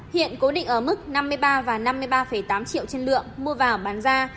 hiện cố định ở mức năm mươi ba và năm mươi ba tám triệu trên lượng mua vào bán ra